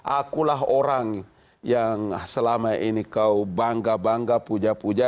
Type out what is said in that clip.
akulah orang yang selama ini kau bangga bangga puja puja